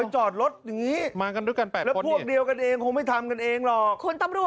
จริงเหรอ